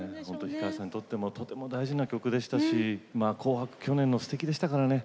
氷川さんにとってもとても大事な曲でしたし「紅白」去年のすてきでしたからね。